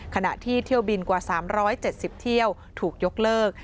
ขณะที่เที่ยวบินกว่า๓๗๐เที่ยวถูกยกเลิก